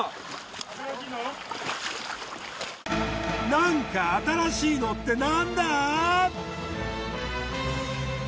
なんか新しいのって何だ！？